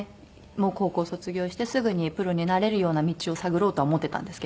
もう高校卒業してすぐにプロになれるような道を探ろうとは思ってたんですけど。